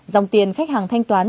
dòng tiền khách hàng thanh toán